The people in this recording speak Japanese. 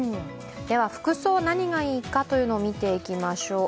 では、服装、何がいいかというのを見ていきましょう。